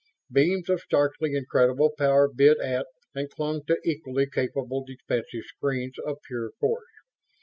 Beams of starkly incredible power bit at and clung to equally capable defensive screens of pure force.